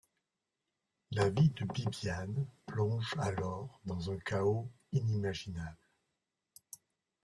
La vie de Bibiane plonge alors dans un chaos inimaginable.